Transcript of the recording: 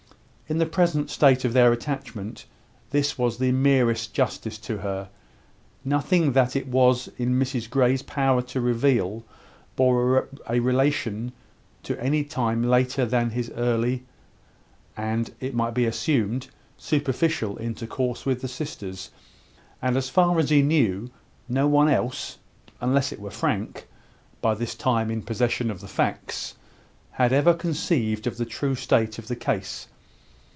In the present state of their attachment, this was the merest justice to her. Nothing that it was in Mrs Grey's power to reveal bore a relation to any time later than his early, and, it might be assumed, superficial, intercourse with the sisters and, as far as he knew, no one else, unless it were Frank (by this time in possession of the facts), had ever conceived of the true state of the case.